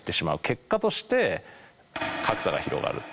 結果として格差が広がる。